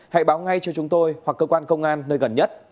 hãy báo ngay cho chúng tôi hoặc cơ quan công an nơi gần nhất